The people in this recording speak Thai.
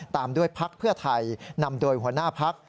ตามด้วยพักเพื่อไทยนำโดยหัวหน้าพัก